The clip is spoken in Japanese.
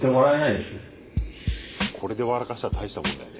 これで笑かしたら大したもんだよね。